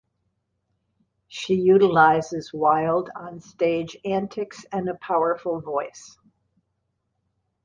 She utilises wild on-stage antics and a powerful voice.